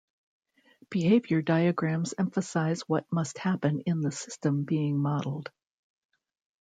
Behavior diagrams emphasize what must happen in the system being modeled.